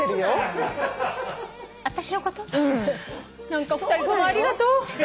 何か２人ともありがとう。